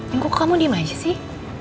enggak kok kamu diem aja sih